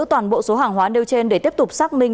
toàn bộ số hàng hóa nêu trên để tiếp tục xác minh